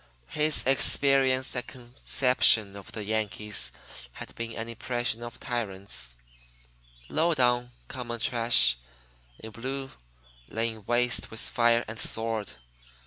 His experience and conception of the Yankees had been an impression of tyrants "low down, common trash" in blue, laying waste with fire and sword.